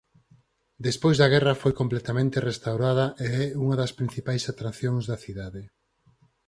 Despois da guerra foi completamente restaurada e é unha das principais atraccións da cidade.